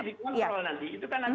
itu kan nanti